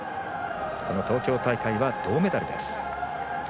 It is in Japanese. この東京大会は銅メダルです。